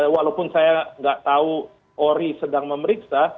walaupun saya nggak tahu ori sedang memeriksa